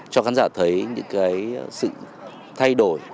cho khán giả thấy những sự thay đổi